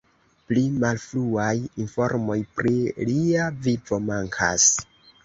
Pli malfruaj informoj pri lia vivo mankas.